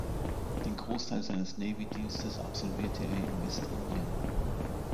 Den Großteil seines Navy-Dienstes absolvierte er in West-Indien.